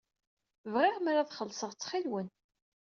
Bɣiɣ mer ad xellṣeɣ, ttxil-wen.